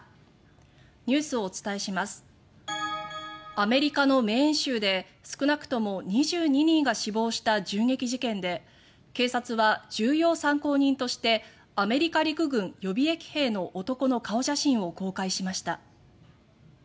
アメリカのメーン州で少なくとも２２人が死亡した銃撃事件で警察は重要参考人としてアメリカ陸軍予備役兵の男の顔写真を公開しました。